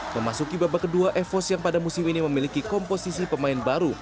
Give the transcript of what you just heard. memasuki babak kedua evos yang pada musim ini memiliki komposisi pemain baru